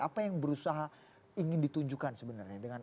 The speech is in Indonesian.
apa yang berusaha ingin ditunjukkan sebenarnya